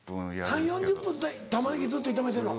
３０４０分玉ねぎずっと炒めてるの？